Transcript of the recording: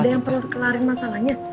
ada yang perlu kelarin masalahnya